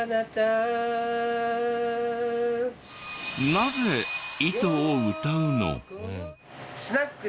なぜ『糸』を歌うの？